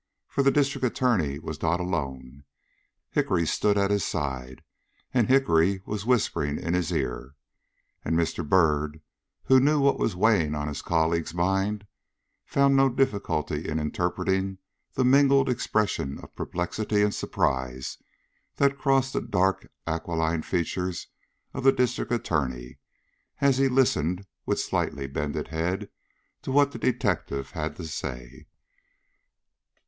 For the District Attorney was not alone. Hickory stood at his side, and Hickory was whispering in his ear, and Mr. Byrd, who knew what was weighing on his colleague's mind, found no difficulty in interpreting the mingled expression of perplexity and surprise that crossed the dark, aquiline features of the District Attorney as he listened with slightly bended head to what the detective had to say.